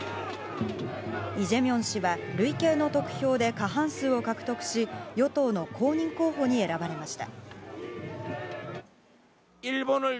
イ・ジェミョン氏は累計の得票で過半数を獲得し与党の公認候補に選ばれました。